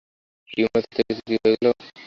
Tumour জাতীয় কিছু কি হয়ে গেল?